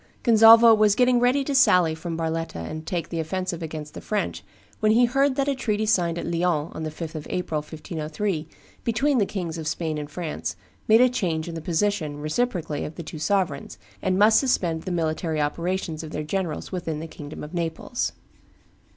Gonzalvo was getting ready to sally from Barletta and take the offensive against the French when he heard that a treaty signed at Lyons on the 5th of April, 1503, between the Kings of Spain and France, made a change in the position, reciprocally, of the two sovereigns, and must suspend the military operations of their generals within the kingdom of Naples.